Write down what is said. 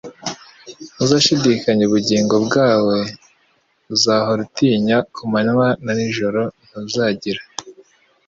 uzashidikanya ubugingo bwawe uzahora utinya ku manywa na nijoro ntuzagira